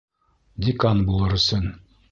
Декан булыр өсөн!